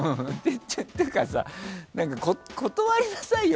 てかさ、断りなさいよ。